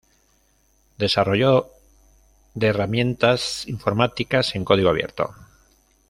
Desarrollo de herramientas informáticas en código abierto.